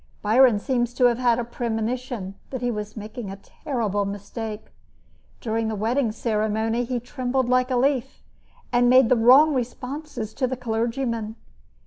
Byron seems to have had a premonition that he was making a terrible mistake. During the wedding ceremony he trembled like a leaf, and made the wrong responses to the clergyman.